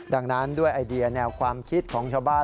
ดังนั้นด้วยไอเดียแนวความคิดของชาวบ้าน